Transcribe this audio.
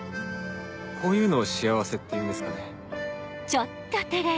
こういうのを幸せっていうんですかね？